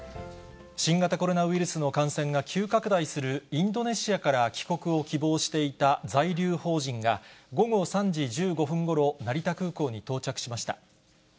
新型コロナウイルスの感染が急拡大するインドネシアから帰国を希望していた在留邦人が、午後３時１５分ごろ、成田空港に到着しました。